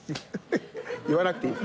言わなくていい。